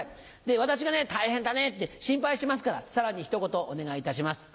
私が「大変だね」って心配しますからさらにひと言お願いいたします。